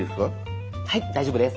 はい大丈夫です。